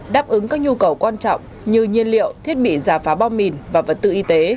đáp ứng các nhu cầu quan trọng như nhiên liệu thiết bị giả phá bom mìn và vật tư y tế